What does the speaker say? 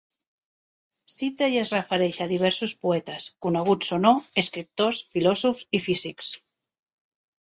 Cita i es refereix a diversos poetes, coneguts o no, escriptors, filòsofs i físics.